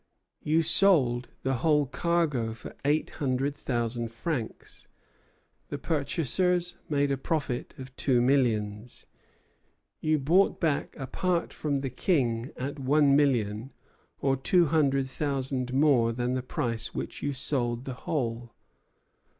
You sold the whole cargo for eight hundred thousand francs. The purchasers made a profit of two millions. You bought back a part for the King at one million, or two hundred thousand more than the price for which you sold the whole.